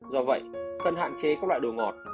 do vậy cần hạn chế các loại đồ ngọt